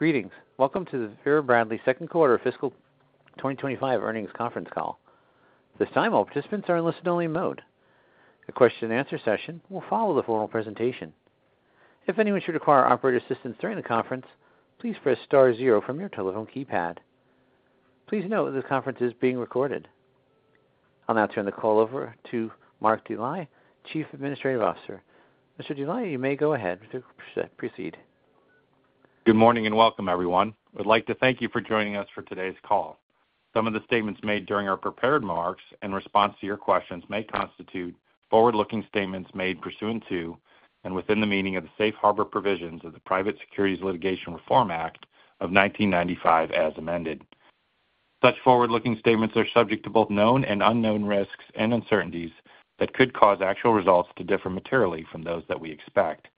Greetings. Welcome to the Vera Bradley second quarter fiscal 2025 earnings conference call. This time, all participants are in listen-only mode. The question-and-answer session will follow the formal presentation. If anyone should require operator assistance during the conference, please press star zero from your telephone keypad. Please note this conference is being recorded. I'll now turn the call over to Mark Dely, Chief Administrative Officer. Mr. Dely, you may go ahead, proceed. Good morning, and welcome, everyone. I'd like to thank you for joining us for today's call. Some of the statements made during our prepared remarks in response to your questions may constitute forward-looking statements made pursuant to and within the meaning of the Safe Harbor Provisions of the Private Securities Litigation Reform Act of 1995, as amended. Such forward-looking statements are subject to both known and unknown risks and uncertainties that could cause actual results to differ materially from those that we expect.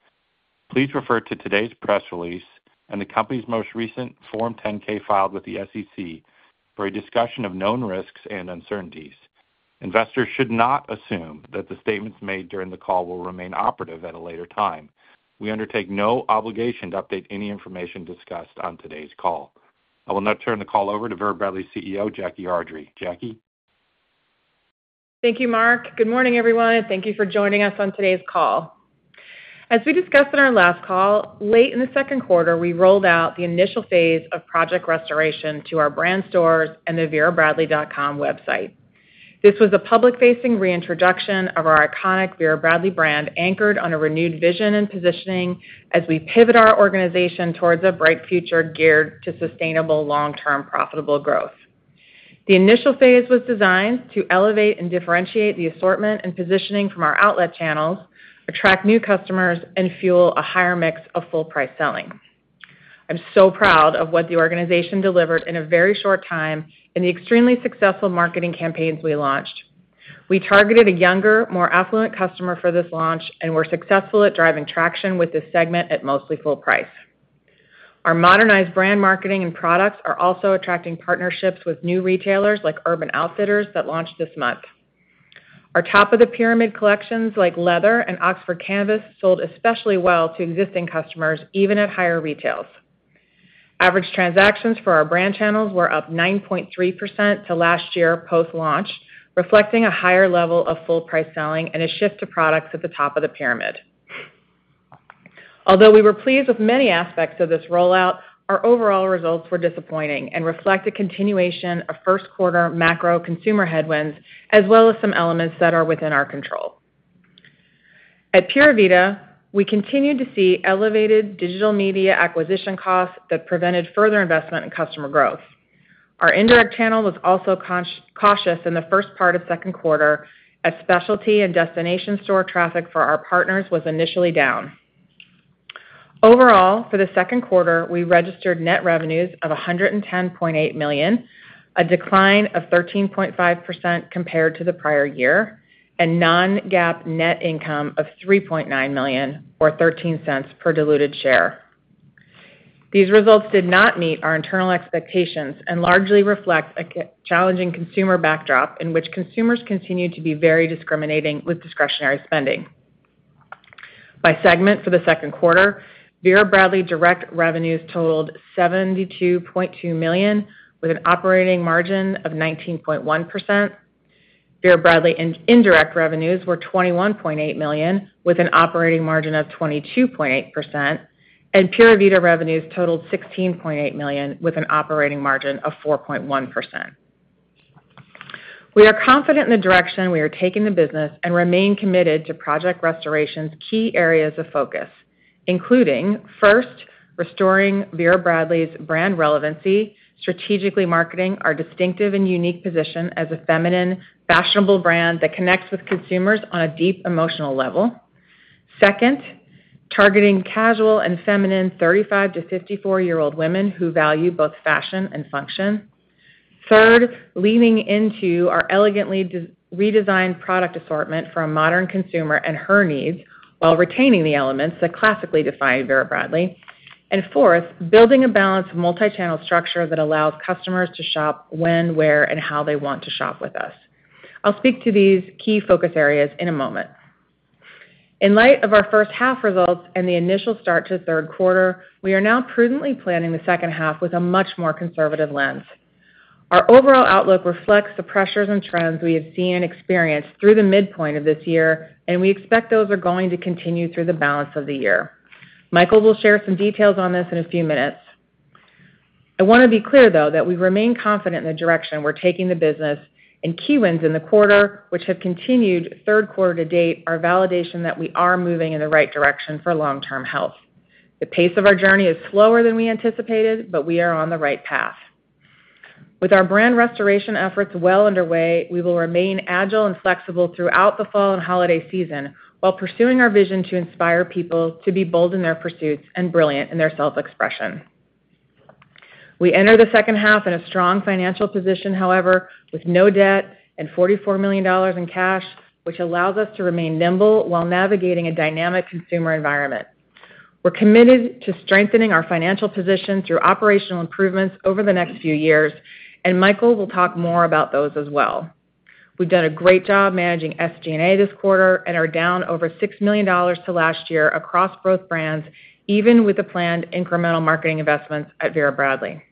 Please refer to today's press release and the company's most recent Form 10-K filed with the SEC for a discussion of known risks and uncertainties. Investors should not assume that the statements made during the call will remain operative at a later time. We undertake no obligation to update any information discussed on today's call. I will now turn the call over to Vera Bradley CEO, Jackie Ardrey. Jackie? Thank you, Mark. Good morning, everyone, and thank you for joining us on today's call. As we discussed on our last call, late in the second quarter, we rolled out the initial phase of Project Restoration to our brand stores and the verabradley.com website. This was a public-facing reintroduction of our iconic Vera Bradley brand, anchored on a renewed vision and positioning as we pivot our organization towards a bright future geared to sustainable, long-term, profitable growth. The initial phase was designed to elevate and differentiate the assortment and positioning from our outlet channels, attract new customers, and fuel a higher mix of full-price selling. I'm so proud of what the organization delivered in a very short time and the extremely successful marketing campaigns we launched. We targeted a younger, more affluent customer for this launch and were successful at driving traction with this segment at mostly full price. Our modernized brand marketing and products are also attracting partnerships with new retailers, like Urban Outfitters, that launched this month. Our top-of-the-pyramid collections, like Leather and Oxford Canvas, sold especially well to existing customers, even at higher retails. Average transactions for our brand channels were up 9.3% to last year post-launch, reflecting a higher level of full-price selling and a shift to products at the top of the pyramid. Although we were pleased with many aspects of this rollout, our overall results were disappointing and reflect a continuation of first quarter macro consumer headwinds, as well as some elements that are within our control. At Pura Vida, we continued to see elevated digital media acquisition costs that prevented further investment in customer growth. Our indirect channel was also cautious in the first part of second quarter, as specialty and destination store traffic for our partners was initially down. Overall, for the second quarter, we registered net revenues of $110.8 million, a decline of 13.5% compared to the prior year, and non-GAAP net income of $3.9 million, or $0.13 per diluted share. These results did not meet our internal expectations and largely reflect a challenging consumer backdrop in which consumers continued to be very discriminating with discretionary spending. By segment, for the second quarter, Vera Bradley direct revenues totaled $72.2 million, with an operating margin of 19.1%. Vera Bradley indirect revenues were $21.8 million, with an operating margin of 22.8%, and Pura Vida revenues totaled $16.8 million, with an operating margin of 4.1%. We are confident in the direction we are taking the business and remain committed to Project Restoration's key areas of focus, including, first, restoring Vera Bradley's brand relevancy, strategically marketing our distinctive and unique position as a feminine, fashionable brand that connects with consumers on a deep emotional level. Second, targeting casual and feminine 35- to 54-year-old women who value both fashion and function. Third, leaning into our elegantly redesigned product assortment for a modern consumer and her needs, while retaining the elements that classically define Vera Bradley. And fourth, building a balanced, multi-channel structure that allows customers to shop when, where, and how they want to shop with us. I'll speak to these key focus areas in a moment. In light of our first half results and the initial start to the third quarter, we are now prudently planning the second half with a much more conservative lens. Our overall outlook reflects the pressures and trends we have seen and experienced through the midpoint of this year, and we expect those are going to continue through the balance of the year. Michael will share some details on this in a few minutes. I want to be clear, though, that we remain confident in the direction we're taking the business, and key wins in the quarter, which have continued third quarter to date, are validation that we are moving in the right direction for long-term health. The pace of our journey is slower than we anticipated, but we are on the right path. With our brand restoration efforts well underway, we will remain agile and flexible throughout the fall and holiday season while pursuing our vision to inspire people to be bold in their pursuits and brilliant in their self-expression. We enter the second half in a strong financial position, however, with no debt and $44 million in cash, which allows us to remain nimble while navigating a dynamic consumer environment. We're committed to strengthening our financial position through operational improvements over the next few years, and Michael will talk more about those as well. We've done a great job managing SG&A this quarter and are down over $6 million to last year across both brands, even with the planned incremental marketing investments at Vera Bradley.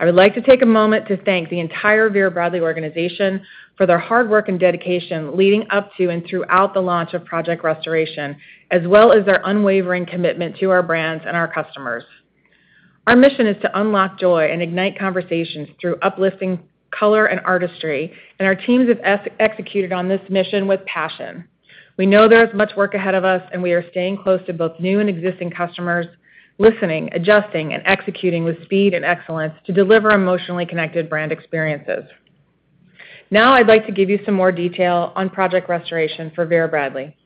I would like to take a moment to thank the entire Vera Bradley organization for their hard work and dedication leading up to and throughout the launch of Project Restoration, as well as their unwavering commitment to our brands and our customers. Our mission is to unlock joy and ignite conversations through uplifting color and artistry, and our teams have executed on this mission with passion. We know there is much work ahead of us, and we are staying close to both new and existing customers, listening, adjusting, and executing with speed and excellence to deliver emotionally connected brand experiences. Now, I'd like to give you some more detail on Project Restoration for Vera Bradley.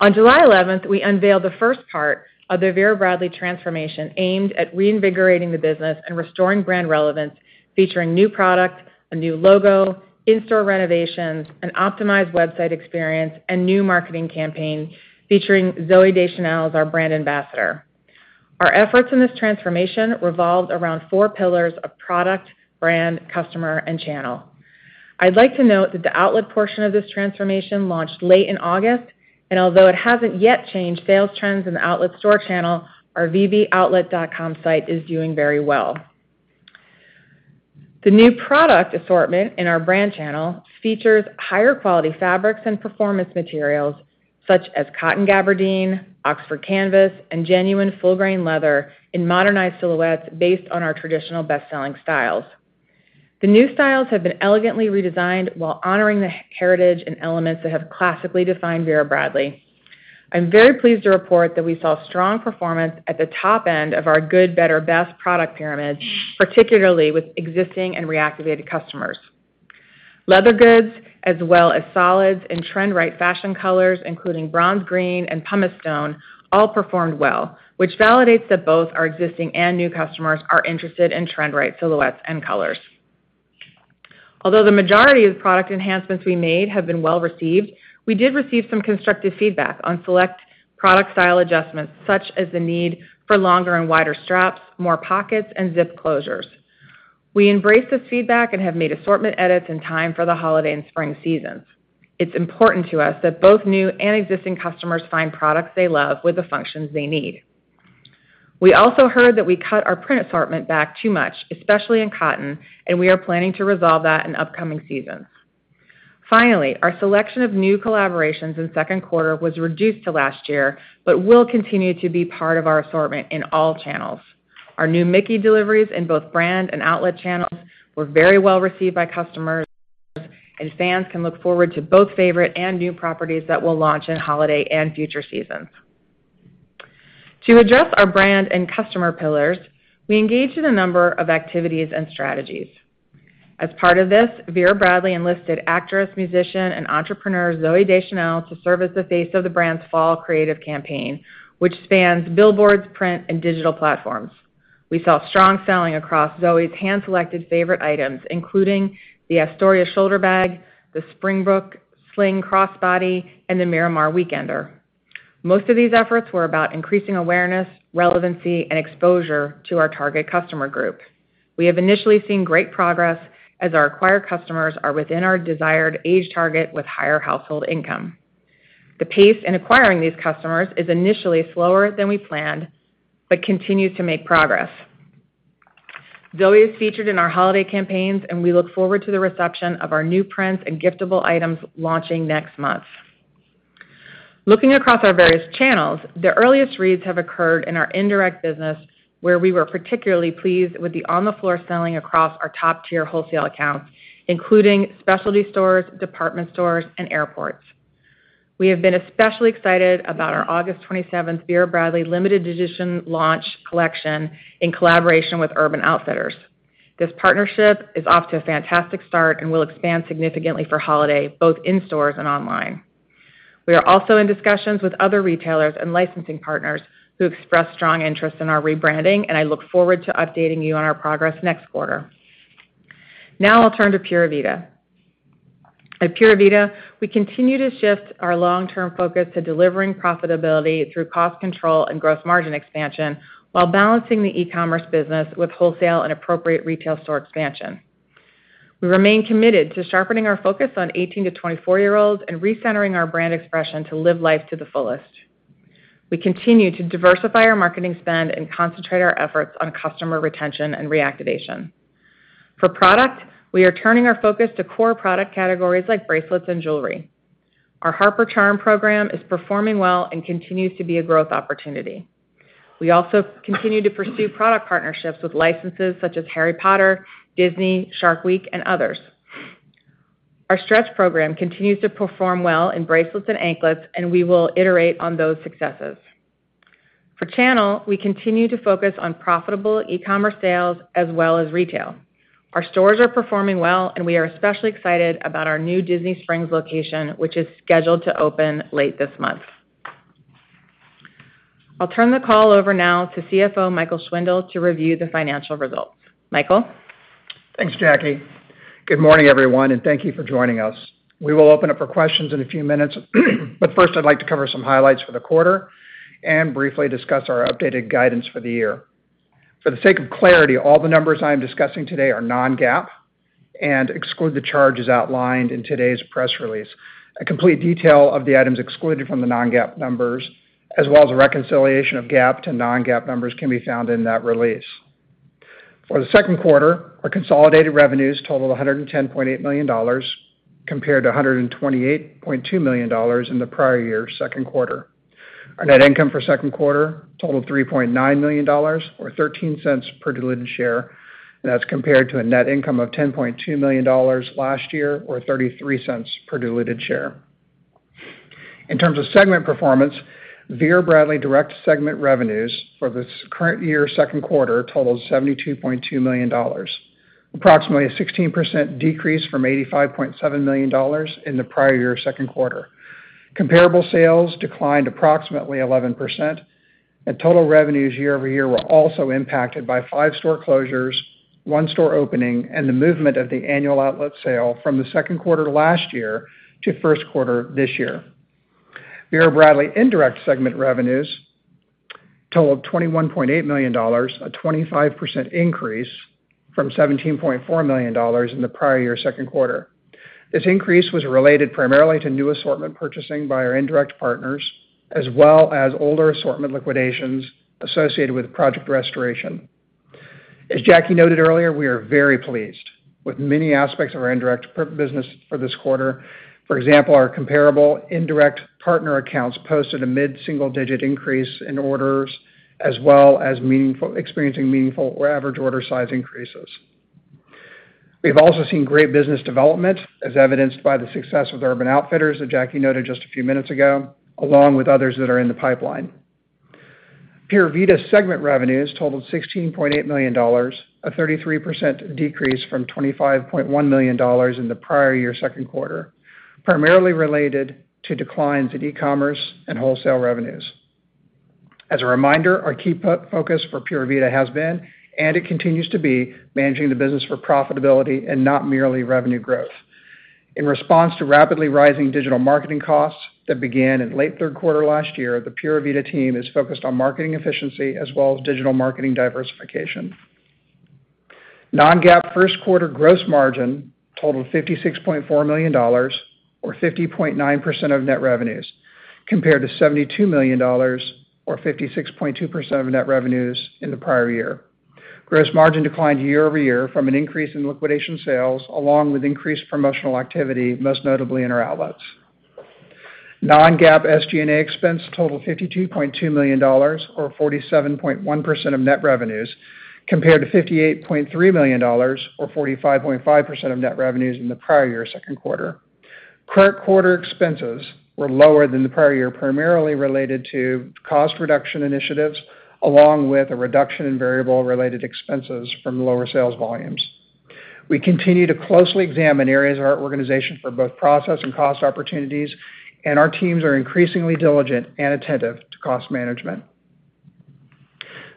On July 11th, we unveiled the first part of the Vera Bradley transformation, aimed at reinvigorating the business and restoring brand relevance, featuring new product, a new logo, in-store renovations, an optimized website experience, and new marketing campaign, featuring Zooey Deschanel as our brand ambassador. Our efforts in this transformation revolved around four pillars of product, brand, customer, and channel. I'd like to note that the outlet portion of this transformation launched late in August, and although it hasn't yet changed sales trends in the outlet store channel, our vboutlet.com site is doing very well. The new product assortment in our brand channel features higher quality fabrics and performance materials, such as cotton gabardine, Oxford canvas, and genuine full-grain leather in modernized silhouettes based on our traditional best-selling styles. The new styles have been elegantly redesigned while honoring the heritage and elements that have classically defined Vera Bradley. I'm very pleased to report that we saw strong performance at the top end of our good, better, best product pyramid, particularly with existing and reactivated customers. Leather goods, as well as solids and trend-right fashion colors, including bronze, green, and Pumice Stone, all performed well, which validates that both our existing and new customers are interested in trend-right silhouettes and colors. Although the majority of the product enhancements we made have been well-received, we did receive some constructive feedback on select product style adjustments, such as the need for longer and wider straps, more pockets, and zip closures. We embrace this feedback and have made assortment edits in time for the holiday and spring seasons. It's important to us that both new and existing customers find products they love with the functions they need. We also heard that we cut our print assortment back too much, especially in cotton, and we are planning to resolve that in upcoming seasons. Finally, our selection of new collaborations in second quarter was reduced to last year, but will continue to be part of our assortment in all channels. Our new Mickey deliveries in both brand and outlet channels were very well-received by customers, and fans can look forward to both favorite and new properties that will launch in holiday and future seasons. To adjust our brand and customer pillars, we engaged in a number of activities and strategies. As part of this, Vera Bradley enlisted actress, musician, and entrepreneur, Zooey Deschanel, to serve as the face of the brand's fall creative campaign, which spans billboards, print, and digital platforms. We saw strong selling across Zooey's hand-selected favorite items, including the Astoria Shoulder Bag, the Springbrook Sling Crossbody, and the Miramar Weekender. Most of these efforts were about increasing awareness, relevancy, and exposure to our target customer group. We have initially seen great progress as our acquired customers are within our desired age target with higher household income. The pace in acquiring these customers is initially slower than we planned, but continues to make progress. Zooey is featured in our holiday campaigns, and we look forward to the reception of our new prints and giftable items launching next month. Looking across our various channels, the earliest reads have occurred in our indirect business, where we were particularly pleased with the on-the-floor selling across our top-tier wholesale accounts, including specialty stores, department stores, and airports. We have been especially excited about our August 27th Vera Bradley limited-edition launch collection in collaboration with Urban Outfitters. This partnership is off to a fantastic start and will expand significantly for holiday, both in stores and online. We are also in discussions with other retailers and licensing partners who expressed strong interest in our rebranding, and I look forward to updating you on our progress next quarter. Now I'll turn to Pura Vida. At Pura Vida, we continue to shift our long-term focus to delivering profitability through cost control and gross margin expansion, while balancing the e-commerce business with wholesale and appropriate retail store expansion. We remain committed to sharpening our focus on 18 to 24-year-olds and recentering our brand expression to live life to the fullest. We continue to diversify our marketing spend and concentrate our efforts on customer retention and reactivation. For product, we are turning our focus to core product categories like bracelets and jewelry. Our Harper charm program is performing well and continues to be a growth opportunity. We also continue to pursue product partnerships with licenses such as Harry Potter, Disney, Shark Week, and others. Our stretch program continues to perform well in bracelets and anklets, and we will iterate on those successes. For channel, we continue to focus on profitable e-commerce sales as well as retail. Our stores are performing well, and we are especially excited about our new Disney Springs location, which is scheduled to open late this month. I'll turn the call over now to CFO, Michael Schwindle, to review the financial results. Michael? Thanks, Jackie. Good morning, everyone, and thank you for joining us. We will open up for questions in a few minutes, but first, I'd like to cover some highlights for the quarter and briefly discuss our updated guidance for the year. For the sake of clarity, all the numbers I am discussing today are non-GAAP and exclude the charges outlined in today's press release. A complete detail of the items excluded from the non-GAAP numbers, as well as a reconciliation of GAAP to non-GAAP numbers, can be found in that release. For the second quarter, our consolidated revenues totaled $110.8 million, compared to $128.2 million in the prior year's second quarter. Our net income for second quarter totaled $3.9 million or $0.13 per diluted share, and that's compared to a net income of $10.2 million last year, or $0.33 per diluted share. In terms of segment performance, Vera Bradley Direct segment revenues for this current year's second quarter totaled $72.2 million, approximately a 16% decrease from $85.7 million in the prior year's second quarter. Comparable sales declined approximately 11%, and total revenues year over year were also impacted by five store closures, one store opening, and the movement of the annual outlet sale from the second quarter last year to first quarter this year. Vera Bradley Indirect segment revenues totaled $21.8 million, a 25% increase from $17.4 million in the prior year's second quarter. This increase was related primarily to new assortment purchasing by our indirect partners, as well as older assortment liquidations associated with Project Restoration. As Jackie noted earlier, we are very pleased with many aspects of our indirect partner business for this quarter. For example, our comparable indirect partner accounts posted a mid-single-digit increase in orders, as well as experiencing meaningful or average order size increases. We've also seen great business development, as evidenced by the success with Urban Outfitters, that Jackie noted just a few minutes ago, along with others that are in the pipeline. Pura Vida segment revenues totaled $16.8 million, a 33% decrease from $25.1 million in the prior year's second quarter, primarily related to declines in e-commerce and wholesale revenues. As a reminder, our key focus for Pura Vida has been, and it continues to be, managing the business for profitability and not merely revenue growth. In response to rapidly rising digital marketing costs that began in late third quarter last year, the Pura Vida team is focused on marketing efficiency as well as digital marketing diversification. Non-GAAP first quarter gross margin totaled $56.4 million, or 50.9% of net revenues, compared to $72 million, or 56.2% of net revenues in the prior year. Gross margin declined year over year from an increase in liquidation sales, along with increased promotional activity, most notably in our outlets. Non-GAAP SG&A expense totaled $52.2 million or 47.1% of net revenues, compared to $58.3 million or 45.5% of net revenues in the prior year's second quarter. Current quarter expenses were lower than the prior year, primarily related to cost reduction initiatives, along with a reduction in variable-related expenses from lower sales volumes. We continue to closely examine areas of our organization for both process and cost opportunities, and our teams are increasingly diligent and attentive to cost management.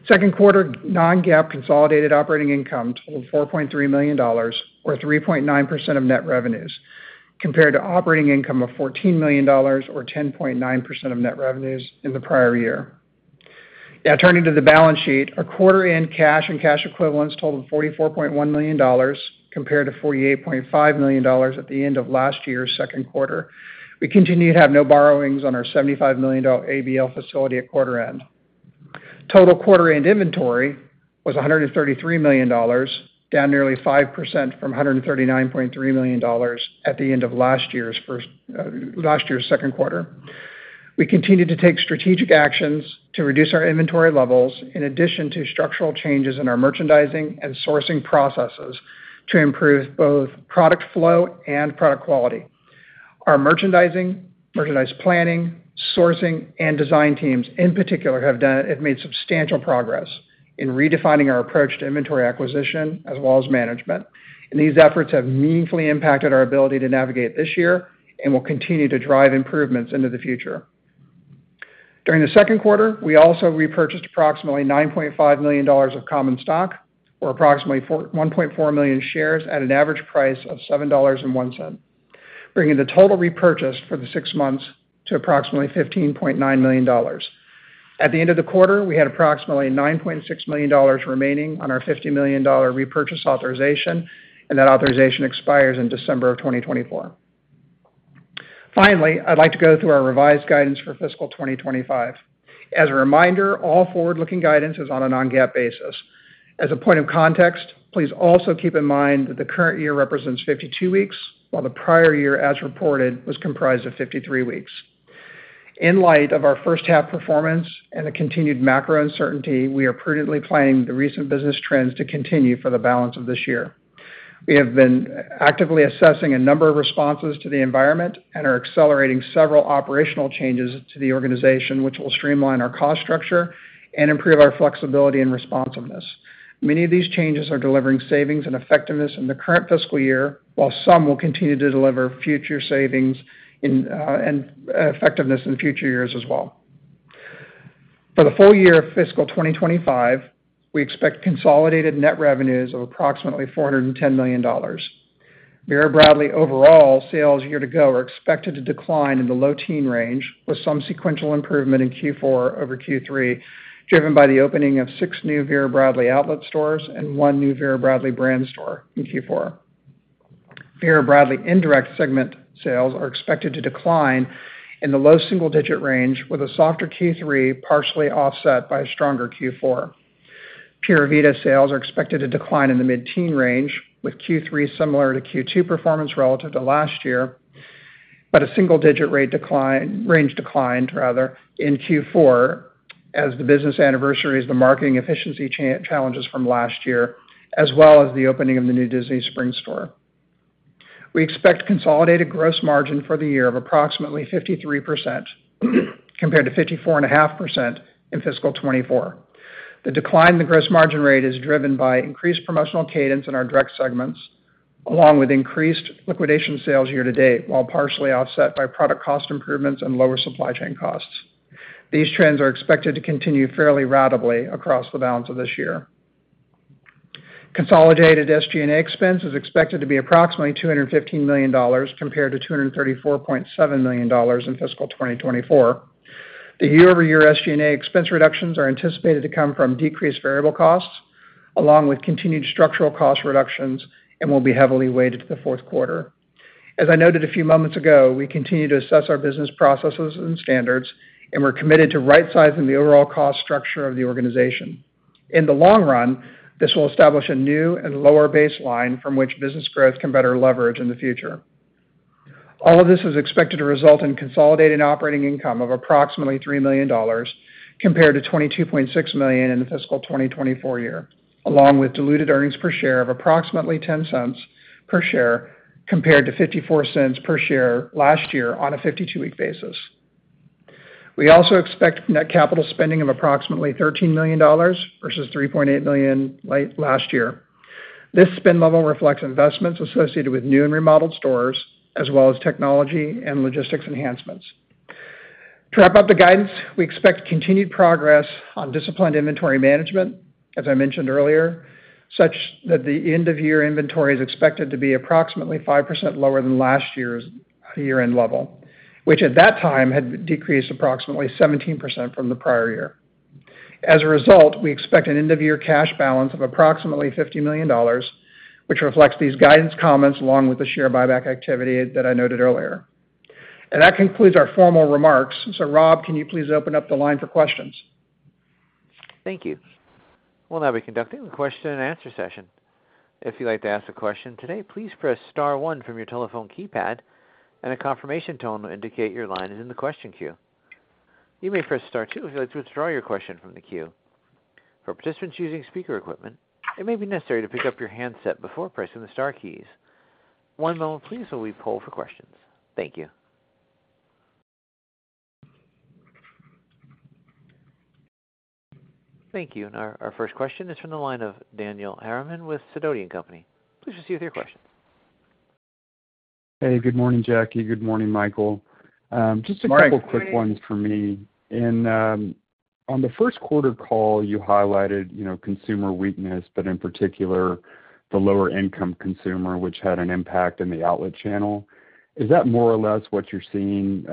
Second quarter non-GAAP consolidated operating income totaled $4.3 million or 3.9% of net revenues, compared to operating income of $14 million or 10.9% of net revenues in the prior year. Now, turning to the balance sheet. Our quarter-end cash and cash equivalents totaled $44.1 million, compared to $48.5 million at the end of last year's second quarter. We continue to have no borrowings on our $75 million ABL facility at quarter end. Total quarter-end inventory was $133 million, down nearly 5% from $139.3 million at the end of last year's second quarter. We continued to take strategic actions to reduce our inventory levels, in addition to structural changes in our merchandising and sourcing processes to improve both product flow and product quality. Our merchandising, merchandise planning, sourcing, and design teams, in particular, have made substantial progress in redefining our approach to inventory acquisition as well as management. These efforts have meaningfully impacted our ability to navigate this year and will continue to drive improvements into the future. During the second quarter, we also repurchased approximately $9.5 million of common stock, or approximately 1.4 million shares at an average price of $7.01, bringing the total repurchase for the six months to approximately $15.9 million. At the end of the quarter, we had approximately $9.6 million remaining on our $50 million repurchase authorization, and that authorization expires in December 2024. Finally, I'd like to go through our revised guidance for fiscal 2025. As a reminder, all forward-looking guidance is on a Non-GAAP basis. As a point of context, please also keep in mind that the current year represents 52 weeks, while the prior year, as reported, was comprised of 53 weeks. In light of our first half performance and the continued macro uncertainty, we are prudently planning the recent business trends to continue for the balance of this year. We have been actively assessing a number of responses to the environment and are accelerating several operational changes to the organization, which will streamline our cost structure and improve our flexibility and responsiveness. Many of these changes are delivering savings and effectiveness in the current fiscal year, while some will continue to deliver future savings in, and, effectiveness in future years as well. For the full year of fiscal 2025, we expect consolidated net revenues of approximately $410 million. Vera Bradley overall sales year to go are expected to decline in the low-teen range, with some sequential improvement in Q4 over Q3, driven by the opening of six new Vera Bradley outlet stores and one new Vera Bradley brand store in Q4. Vera Bradley indirect segment sales are expected to decline in the low-single-digit range, with a softer Q3 partially offset by a stronger Q4. Pura Vida sales are expected to decline in the mid-teen range, with Q3 similar to Q2 performance relative to last year, but a single-digit range decline, rather, in Q4 as the business anniversaries, the marketing efficiency challenges from last year, as well as the opening of the new Disney Springs store. We expect consolidated gross margin for the year of approximately 53%, compared to 54.5% in fiscal 2024. The decline in the gross margin rate is driven by increased promotional cadence in our direct segments, along with increased liquidation sales year to date, while partially offset by product cost improvements and lower supply chain costs. These trends are expected to continue fairly ratably across the balance of this year. Consolidated SG&A expense is expected to be approximately $215 million, compared to $234.7 million in fiscal 2024. The year-over-year SG&A expense reductions are anticipated to come from decreased variable costs, along with continued structural cost reductions, and will be heavily weighted to the fourth quarter. As I noted a few moments ago, we continue to assess our business processes and standards, and we're committed to right sizing the overall cost structure of the organization. In the long run, this will establish a new and lower baseline from which business growth can better leverage in the future. All of this is expected to result in consolidated operating income of approximately $3 million, compared to $22.6 million in the fiscal 2024 year, along with diluted earnings per share of approximately $0.10 per share, compared to $0.54 per share last year on a 52-week basis. We also expect net capital spending of approximately $13 million versus $3.8 million late last year. This spend level reflects investments associated with new and remodeled stores, as well as technology and logistics enhancements. To wrap up the guidance, we expect continued progress on disciplined inventory management, as I mentioned earlier, such that the end-of-year inventory is expected to be approximately 5% lower than last year's year-end level, which at that time had decreased approximately 17% from the prior year. As a result, we expect an end-of-year cash balance of approximately $50 million, which reflects these guidance comments along with the share buyback activity that I noted earlier, and that concludes our formal remarks, so Rob, can you please open up the line for questions? Thank you. We'll now be conducting the question and answer session. If you'd like to ask a question today, please press star one from your telephone keypad, and a confirmation tone will indicate your line is in the question queue. You may press star two if you'd like to withdraw your question from the queue. For participants using speaker equipment, it may be necessary to pick up your handset before pressing the star keys. One moment please, while we poll for questions. Thank you. Thank you. Our first question is from the line of Daniel Harriman with Sidoti & Company. Please proceed with your question. Hey, good morning, Jackie. Good morning, Michael. Just a couple- Morning. Quick ones for me. In on the first quarter call, you highlighted, you know, consumer weakness, but in particular, the lower income consumer, which had an impact in the outlet channel. Is that more or less what you're seeing,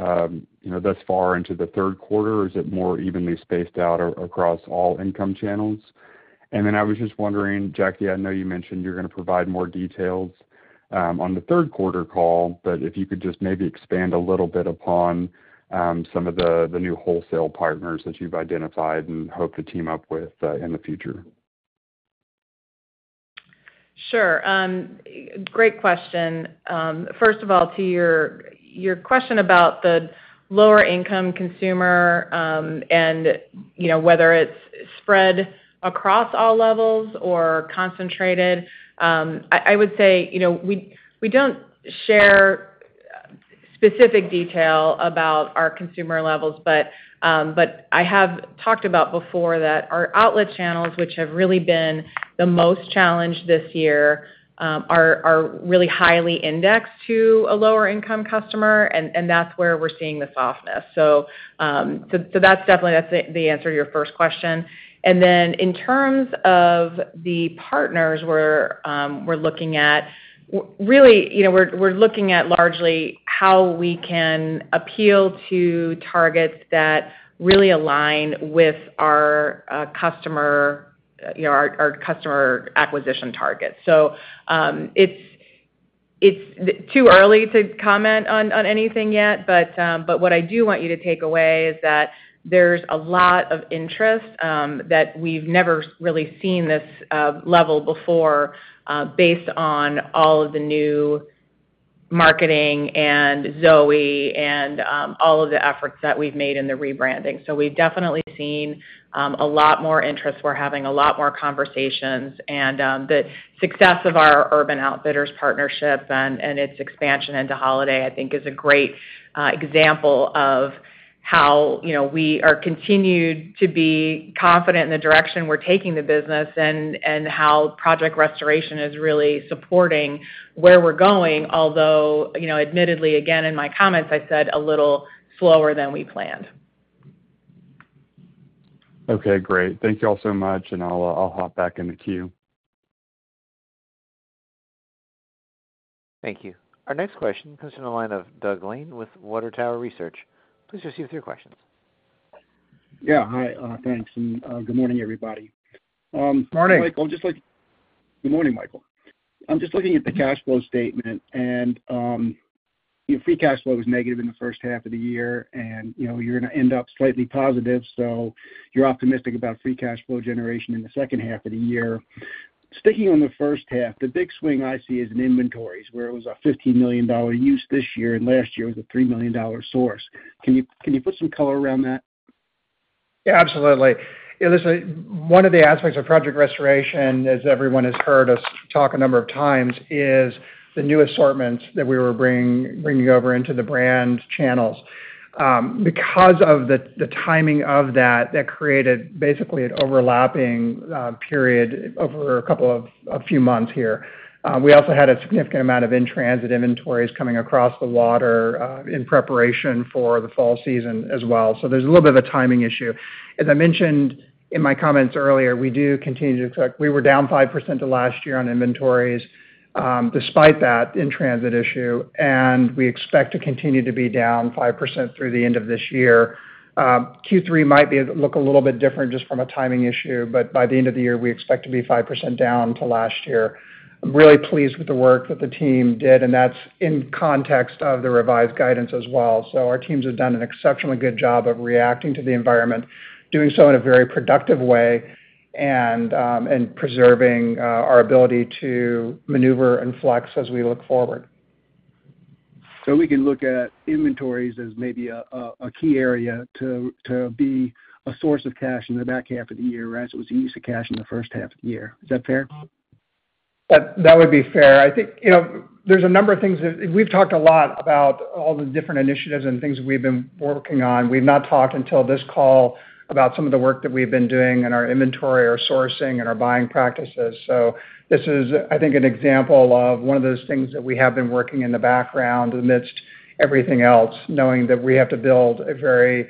you know, thus far into the third quarter, or is it more evenly spaced out across all income channels? And then I was just wondering, Jackie, I know you mentioned you're gonna provide more details on the third quarter call, but if you could just maybe expand a little bit upon some of the new wholesale partners that you've identified and hope to team up with in the future. Sure. Great question. First of all, to your question about the lower income consumer, and you know, whether it's spread across all levels or concentrated, I would say, you know, we don't share specific detail about our consumer levels, but I have talked about before that our outlet channels, which have really been the most challenged this year, are really highly indexed to a lower income customer, and that's where we're seeing the softness. So that's definitely the answer to your first question. And then in terms of the partners we're looking at, really, you know, we're looking at largely how we can appeal to targets that really align with our customer, you know, our customer acquisition targets. It's too early to comment on anything yet, but what I do want you to take away is that there's a lot of interest that we've never really seen this level before, based on all of the new marketing and Zooey and all of the efforts that we've made in the rebranding. We've definitely seen a lot more interest. We're having a lot more conversations and the success of our Urban Outfitters partnership and its expansion into holiday. I think is a great example of how, you know, we are continued to be confident in the direction we're taking the business and how Project Restoration is really supporting where we're going, although, you know, admittedly, again, in my comments, I said a little slower than we planned. Okay, great. Thank you all so much, and I'll, I'll hop back in the queue. Thank you. Our next question comes from the line of Doug Lane with Water Tower Research. Please proceed with your questions. Yeah, hi, thanks, and good morning, everybody. Morning! Good morning, Michael. I'm just looking at the cash flow statement, and your free cash flow was negative in the first half of the year, and, you know, you're gonna end up slightly positive, so you're optimistic about free cash flow generation in the second half of the year. Sticking on the first half, the big swing I see is in inventories, where it was a $50 million use this year, and last year, it was a $3 million source. Can you, can you put some color around that? Yeah, absolutely. Yeah, listen, one of the aspects of Project Restoration, as everyone has heard us talk a number of times, is the new assortments that we were bringing over into the brand channels. Because of the timing of that, that created basically an overlapping period over a few months here. We also had a significant amount of in-transit inventories coming across the water in preparation for the fall season as well. So there's a little bit of a timing issue. As I mentioned in my comments earlier, we do continue to expect. We were down 5% to last year on inventories, despite that in-transit issue, and we expect to continue to be down 5% through the end of this year. Q3 might look a little bit different just from a timing issue, but by the end of the year, we expect to be 5% down to last year. I'm really pleased with the work that the team did, and that's in context of the revised guidance as well. Our teams have done an exceptionally good job of reacting to the environment, doing so in a very productive way, and preserving our ability to maneuver and flex as we look forward. So we can look at inventories as maybe a key area to be a source of cash in the back half of the year, right? As it was a use of cash in the first half of the year. Is that fair? That would be fair. I think, you know, there's a number of things that. We've talked a lot about all the different initiatives and things that we've been working on. We've not talked until this call about some of the work that we've been doing in our inventory, our sourcing, and our buying practices. So this is, I think, an example of one of those things that we have been working in the background amidst everything else, knowing that we have to build a very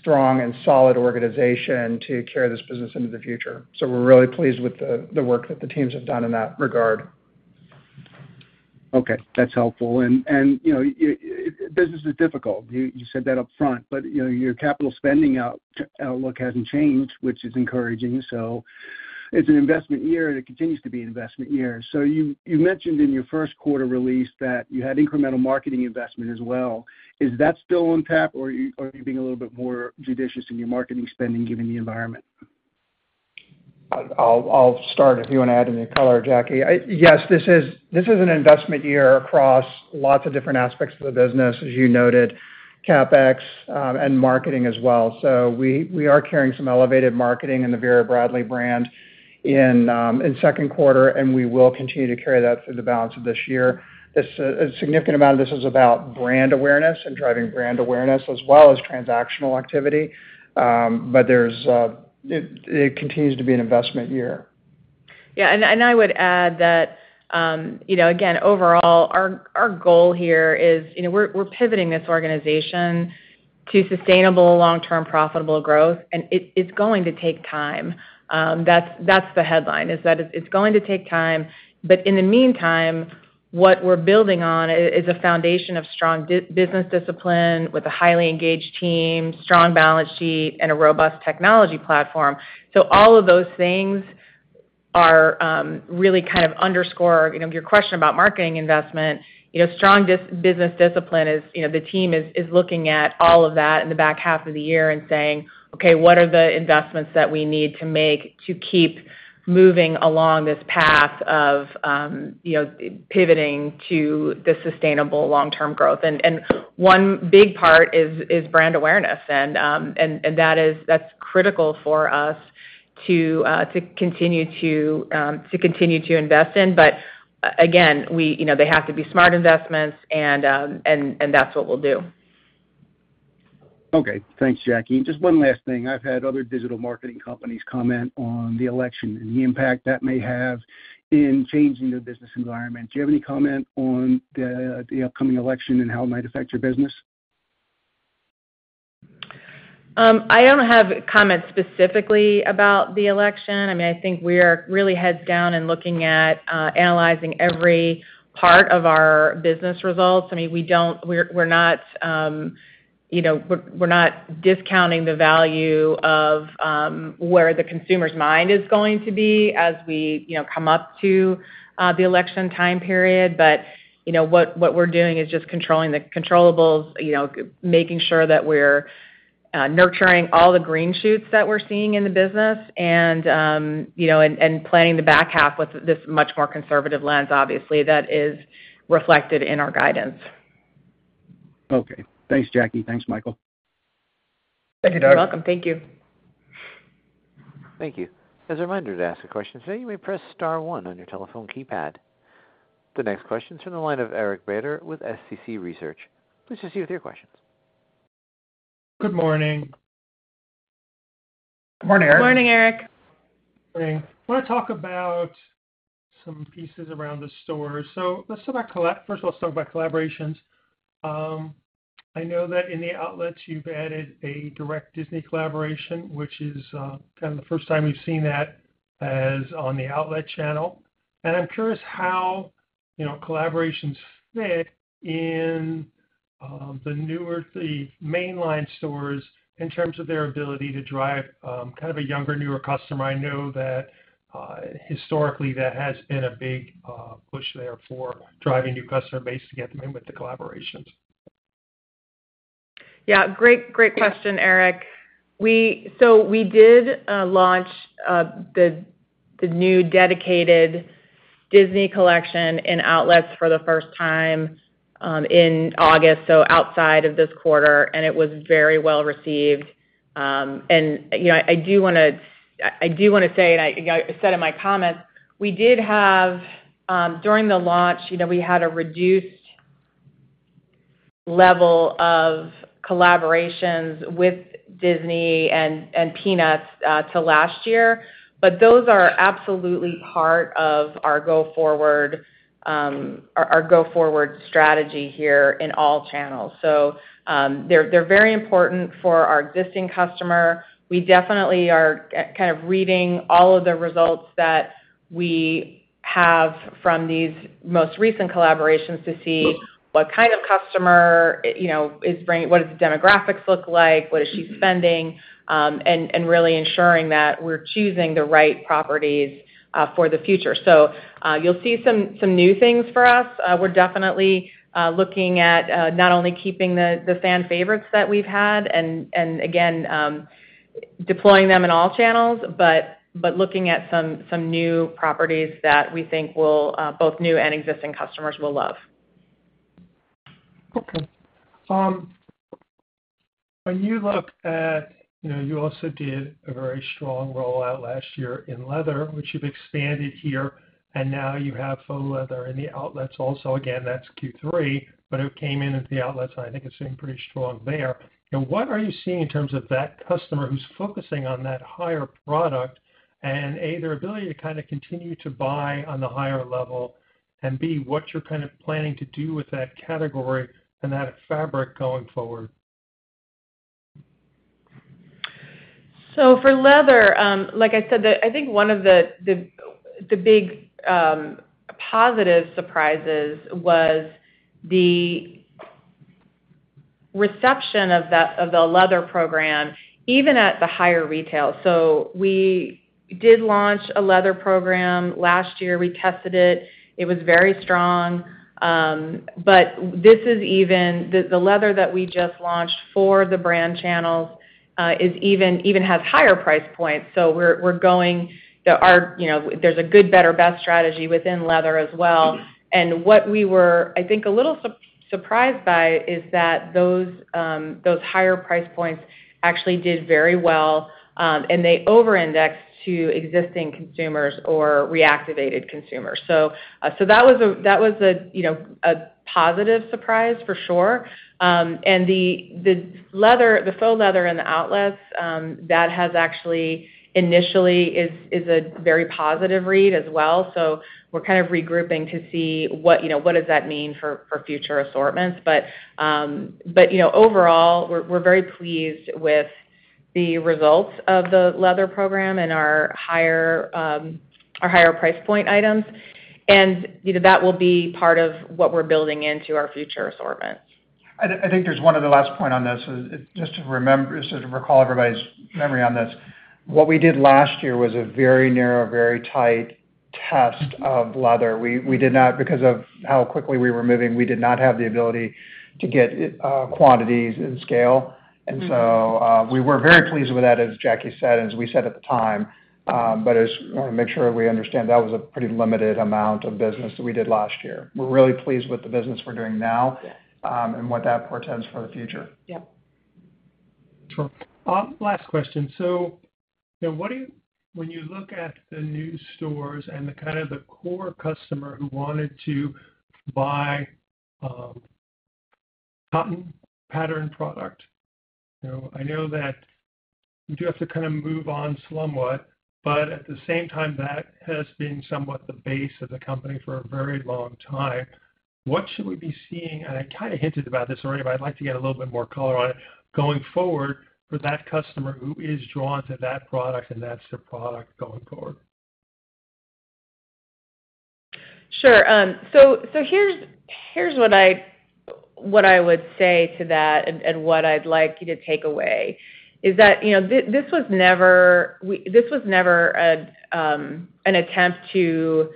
strong and solid organization to carry this business into the future. So we're really pleased with the work that the teams have done in that regard. Okay, that's helpful. And you know, your business is difficult. You said that up front, but you know, your capital spending outlook hasn't changed, which is encouraging. So it's an investment year, and it continues to be an investment year. So you mentioned in your first quarter release that you had incremental marketing investment as well. Is that still on tap, or are you being a little bit more judicious in your marketing spending, given the environment? I'll start if you want to add any color, Jackie. Yes, this is an investment year across lots of different aspects of the business. As you noted, CapEx and marketing as well. So we are carrying some elevated marketing in the Vera Bradley brand in second quarter, and we will continue to carry that through the balance of this year. This a significant amount of this is about brand awareness and driving brand awareness, as well as transactional activity. But there's it continues to be an investment year. Yeah, and I would add that, you know, again, overall, our goal here is, you know, we're pivoting this organization to sustainable, long-term, profitable growth, and it's going to take time. That's the headline, is that it's going to take time. But in the meantime, what we're building on is a foundation of strong business discipline with a highly engaged team, strong balance sheet, and a robust technology platform. So all of those things are really kind of underscore, you know, your question about marketing investment. You know, strong business discipline is, you know, the team is looking at all of that in the back half of the year and saying: Okay, what are the investments that we need to make to keep moving along this path of, you know, pivoting to the sustainable long-term growth? And one big part is brand awareness, and that is-- that's critical for us to continue to invest in. But again, we... you know, they have to be smart investments, and that's what we'll do. Okay. Thanks, Jackie. Just one last thing. I've had other digital marketing companies comment on the election and the impact that may have in changing the business environment. Do you have any comment on the upcoming election and how it might affect your business? I don't have comments specifically about the election. I mean, I think we are really heads down and looking at analyzing every part of our business results. I mean, we don't. We're not discounting the value of where the consumer's mind is going to be as we, you know, come up to the election time period. But, you know, what we're doing is just controlling the controllables, you know, making sure that we're nurturing all the green shoots that we're seeing in the business and, you know, planning the back half with this much more conservative lens, obviously, that is reflected in our guidance. Okay. Thanks, Jackie. Thanks, Michael. Thank you, Doug. You're welcome. Thank you. Thank you. As a reminder, to ask a question, so you may press star one on your telephone keypad. The next question is from the line of Eric Beder with SCC Research. Please proceed with your questions. Good morning. Good morning, Eric. Good morning, Eric. Okay. I want to talk about some pieces around the stores. So let's talk about collaborations. First of all, let's talk about collaborations. I know that in the outlets, you've added a direct Disney collaboration, which is kind of the first time we've seen that as on the outlet channel. And I'm curious how, you know, collaborations fit in the mainline stores in terms of their ability to drive kind of a younger, newer customer. I know that historically, that has been a big push there for driving new customer base to get them in with the collaborations. Yeah, great, great question, Eric. We. So we did launch the new dedicated Disney collection in outlets for the first time in August, so outside of this quarter, and it was very well received. And, you know, I do wanna say, and I, you know, I said in my comments, we did have. During the launch, you know, we had a reduced level of collaborations with Disney and Peanuts to last year, but those are absolutely part of our go-forward strategy here in all channels. So, they're very important for our existing customer. We definitely are kind of reading all of the results that we have from these most recent collaborations to see what kind of customer, you know, is bringing. What does the demographics look like? What is she spending? Really ensuring that we're choosing the right properties for the future. You'll see some new things for us. We're definitely looking at not only keeping the fan favorites that we've had and again deploying them in all channels, but looking at some new properties that we think will both new and existing customers will love. Okay. When you look at... you know, you also did a very strong rollout last year in leather, which you've expanded here, and now you have faux leather in the outlets also. Again, that's Q3, but it came in at the outlets, and I think it's doing pretty strong there. Now, what are you seeing in terms of that customer who's focusing on that higher product, and A, their ability to kind of continue to buy on the higher level, and B, what you're kind of planning to do with that category and that fabric going forward? So for leather, like I said, I think one of the big positive surprises was the reception of that of the leather program, even at the higher retail. We did launch a leather program last year. We tested it. It was very strong, but this is even. The leather that we just launched for the brand channels is even has higher price points. So we're going, our you know, there's a good, better, best strategy within leather as well. And what we were, I think, a little surprised by is that those higher price points actually did very well, and they over-indexed to existing consumers or reactivated consumers. So that was a you know a positive surprise for sure. And the leather, the faux leather in the outlets that has actually, initially, is a very positive read as well. So we're kind of regrouping to see what, you know, what does that mean for future assortments. But you know, overall, we're very pleased with the results of the leather program and our higher price point items, and you know, that will be part of what we're building into our future assortments. I think there's one other last point on this. Just to recall everybody's memory on this, what we did last year was a very narrow, very tight test of leather. We did not... Because of how quickly we were moving, we did not have the ability to get quantities and scale. Mm-hmm. And so, we were very pleased with that, as Jackie said, and as we said at the time, but I wanna make sure we understand, that was a pretty limited amount of business that we did last year. We're really pleased with the business we're doing now- Yeah. and what that portends for the future. Yep. Sure. Last question: So, now, what do you... When you look at the new stores and the kind of core customer who wanted to buy, cotton pattern product, you know, I know that you do have to kind of move on somewhat, but at the same time, that has been somewhat the base of the company for a very long time. What should we be seeing? And I kind of hinted about this already, but I'd like to get a little bit more color on it. Going forward, for that customer who is drawn to that product, and that's their product going forward. Sure. So here's what I would say to that, and what I'd like you to take away is that, you know, this was never an attempt to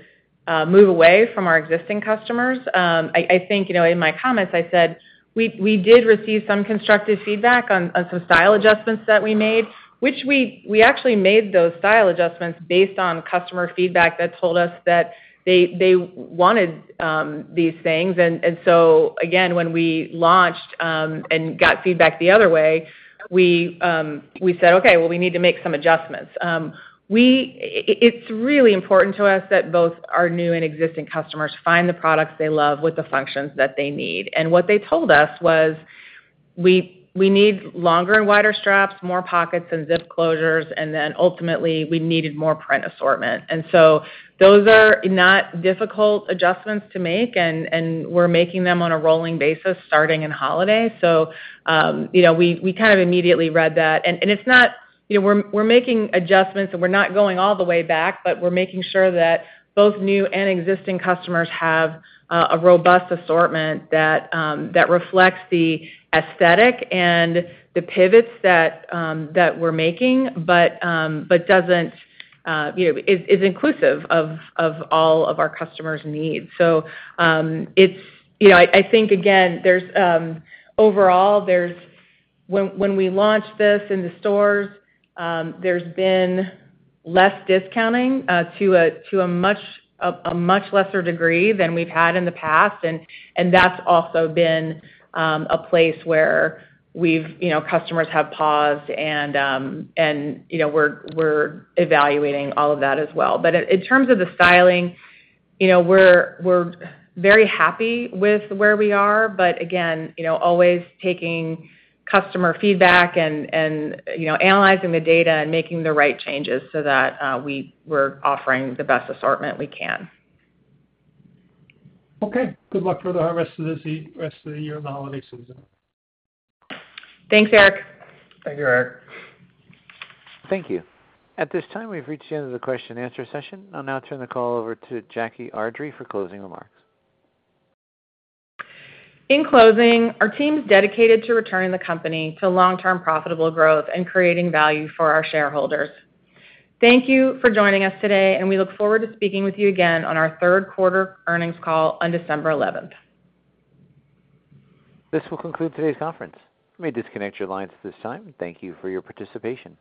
move away from our existing customers. I think, you know, in my comments I said we did receive some constructive feedback on some style adjustments that we made, which we actually made those style adjustments based on customer feedback that told us that they wanted these things, and so again, when we launched and got feedback the other way, we said, "Okay, well, we need to make some adjustments." It's really important to us that both our new and existing customers find the products they love with the functions that they need. And what they told us was we need longer and wider straps, more pockets and zip closures, and then ultimately, we needed more print assortment. And so those are not difficult adjustments to make, and we're making them on a rolling basis, starting in holiday. So, you know, we kind of immediately read that. And it's not, you know, we're making adjustments, and we're not going all the way back, but we're making sure that both new and existing customers have a robust assortment that reflects the aesthetic and the pivots that we're making, but doesn't, you know, is inclusive of all of our customers' needs. So, it's, you know, I think again, there's overall when we launched this in the stores, there's been less discounting to a much lesser degree than we've had in the past. And that's also been a place where we've, you know, customers have paused and, you know, we're evaluating all of that as well. But in terms of the styling, you know, we're very happy with where we are. But again, you know, always taking customer feedback and, you know, analyzing the data and making the right changes so that we're offering the best assortment we can. Okay. Good luck for the rest of this rest of the year and the holiday season. Thanks, Eric. Thank you, Eric. Thank you. At this time, we've reached the end of the question-and-answer session. I'll now turn the call over to Jackie Ardrey for closing remarks. In closing, our team is dedicated to returning the company to long-term profitable growth and creating value for our shareholders. Thank you for joining us today, and we look forward to speaking with you again on our third quarter earnings call on December 11th. This will conclude today's conference. You may disconnect your lines at this time. Thank you for your participation.